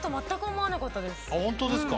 あっホントですか？